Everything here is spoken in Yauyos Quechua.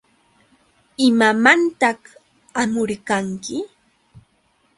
¿Imamantaq hamurqanki?